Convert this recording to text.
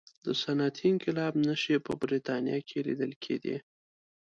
د صنعتي انقلاب نښې په برتانیا کې لیدل کېدې.